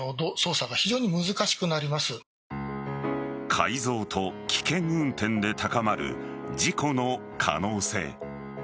改造と危険運転で高まる事故の可能性。